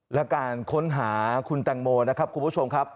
และการค้นหาคุณแตงโมนะครับคุณผู้ชมครับ